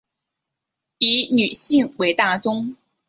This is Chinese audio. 以女性为大宗